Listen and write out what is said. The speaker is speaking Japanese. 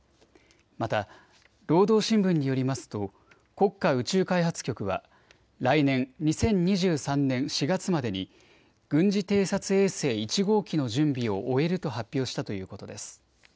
また労働新聞によりますと国家宇宙開発局は来年２０２３年４月までに軍事偵察衛星１号機の準備を終えると発表したということです。